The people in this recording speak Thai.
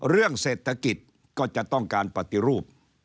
เรื่องเศรษฐกิจก็จะต้องการปฏิรูป